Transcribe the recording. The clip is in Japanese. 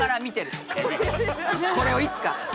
これをいつか。